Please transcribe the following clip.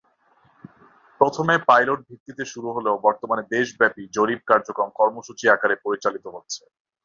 প্রথমে পাইলট ভিত্তিতে শুরু হলেও বর্তমানে দেশব্যাপী জরিপ কার্যক্রম কর্মসূচি আকারে পরিচালিত হচ্ছে।